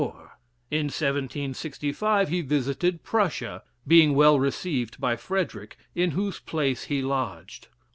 In 1765 he visited Prussia, being well received by Frederick, in whose place he lodged.